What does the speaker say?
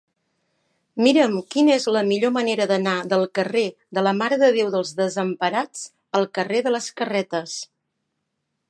Mira'm quina és la millor manera d'anar del carrer de la Mare de Déu dels Desemparats al carrer de les Carretes.